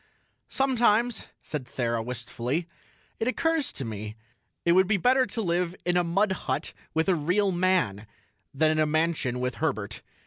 "Sometimes," said Thera wistfully, "it occurs to me it would be better to live in a mud hut with a real man than in a mansion with Herbert."